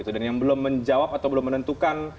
dan yang belum menjawab atau belum menentukan